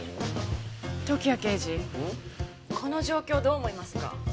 時矢刑事この状況どう思いますか？